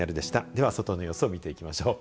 では外の様子を見ていきましょう。